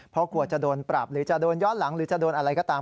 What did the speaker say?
เพราะกลัวจะโดนปรับหรือจะโดนย้อนหลังหรือจะโดนอะไรก็ตาม